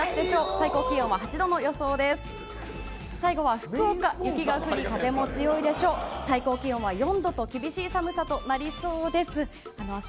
最高気温は８度の予想です。